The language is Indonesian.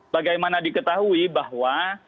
bagaimana diketahui bahwa